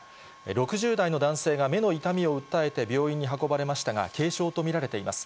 ６０代の男性が目の痛みを訴えて病院に運ばれましたが軽傷と見られています。